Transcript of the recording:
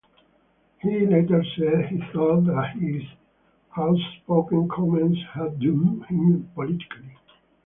He later said he thought that his outspoken comments had doomed him politically.